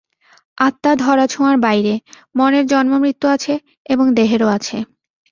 আত্মা ধরা-ছোঁয়ার বাইরে, মনের জন্ম-মৃত্যু আছে, এবং দেহেরও আছে।